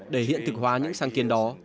để hiện thực hóa những sáng kiến